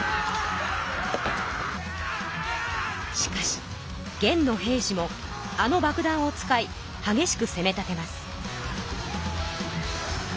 しかし元の兵士もあの爆弾を使いはげしくせめたてます。